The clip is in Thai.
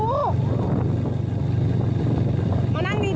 โดนช่วงบ้านเขาด่าว